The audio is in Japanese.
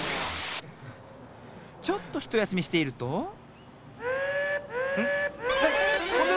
ちょっとひとやすみしているとん？